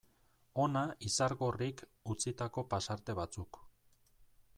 Hona Izargorrik utzitako pasarte batzuk.